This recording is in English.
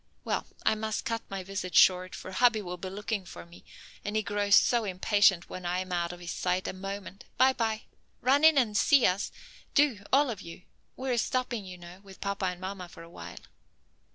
Well, I must cut my visit short, for hubby will be looking for me, and he grows so impatient when I am out of his sight a moment. By by. Run in and see us, do, all of you. We are stopping, you know, with papa and mamma for awhile."